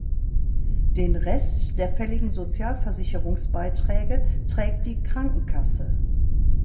Den Rest der fälligen Sozialversicherungsbeiträge trägt die Krankenkasse.